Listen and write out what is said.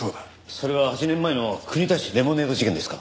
それは８年前の国立レモネード事件ですか？